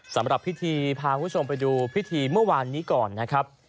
สำหรับพิธีพาคุณผู้ชมไปดูพิธีเมื่อวานนี้ก่อนนะครับ